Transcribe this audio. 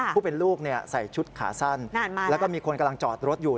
ผู้เป็นลูกใส่ชุดขาสั้นแล้วก็มีคนกำลังจอดรถอยู่